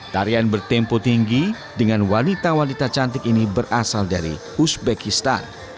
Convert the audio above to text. tarian bertempo tinggi dengan wanita wanita cantik ini berasal dari uzbekistan